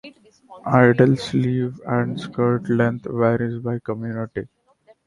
The ideal sleeve and skirt length varies by community.